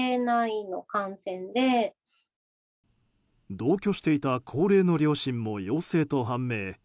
同居していた高齢の両親も陽性と判明。